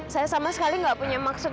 saya sama sekali nggak punya maksud